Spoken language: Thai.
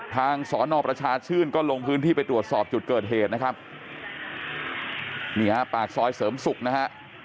ทางสอนอประชาชื่นก็ลงพื้นที่ไปตรวจสอบจุดเกิดเหตุนะครับนี่ฮะปากซอยเสริมศุกร์นะฮะ